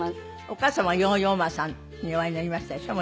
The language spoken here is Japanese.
お母様はヨーヨー・マさんにお会いになりましたでしょ？